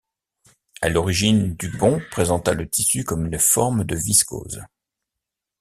A l'origine DuPont présenta le tissu comme une forme de viscose.